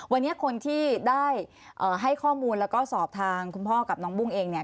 วันนี้คนที่ได้ให้ข้อมูลแล้วก็สอบทางคุณพ่อกับน้องบุ้งเองเนี่ย